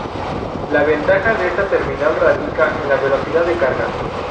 La ventaja de esta terminal radica en la velocidad de carga.